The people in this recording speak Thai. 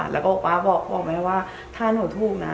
แล้วก็ป๊าบอกแม่ว่าถ้าหนูถูกนะ